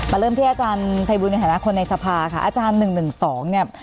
มาเริ่มที่อาจารย์ไภบูรณ์แห่งธนาคมในสภาค่ะอาจารย์๑๑๒เนี่ย